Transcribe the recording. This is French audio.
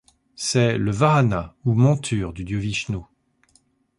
C'est le vâhana, ou monture, du dieu Vishnu.